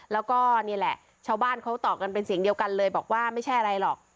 แล้วก็นี่แหละชาวบ้านเขาตอบกันเป็นเสียงเดียวกันเลยบอกว่าไม่ใช่อะไรหรอก